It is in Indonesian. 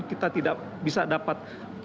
kita tidak bisa dapat